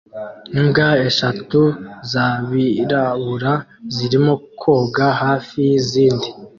Imbwa eshatu zabirabura zirimo koga hafi yizindi